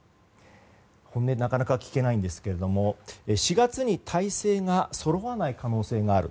本音はなかなか聞けないんですが４月に体制がそろわない可能性がある。